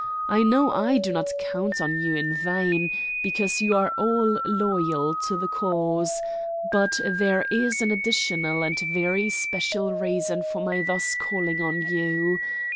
I know I do not count on you in vain, because you are all loyal to the cause; but there is an additional and very special reason for my thus calling on you.